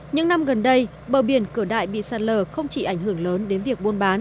những năm gần đây bờ biển cửa đại bị sạt lở không chỉ ảnh hưởng lớn đến việc buôn bán